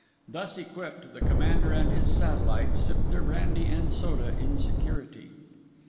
Thus equipped, the commander and his satellite sipped their brandy and soda in security.